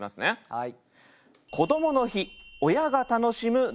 はい。